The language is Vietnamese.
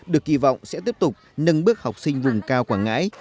được kỳ vọng sẽ tiếp tục nâng bước học sinh vùng cao quảng ngãi